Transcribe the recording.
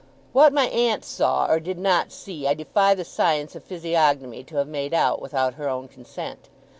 What my aunt saw, or did not see, I defy the science of physiognomy to have made out, without her own consent.